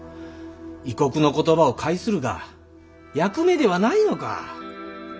異国の言葉を解するが役目ではないのか？